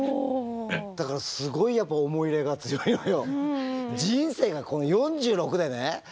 だからすごいやっぱ思い入れが強いのよ。